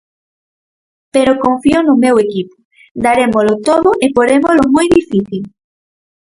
Pero confío no meu equipo, darémolo todo e porémolo moi difícil.